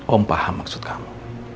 om paham maksud kamu